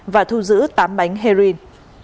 và thu giữ tám bánh heroin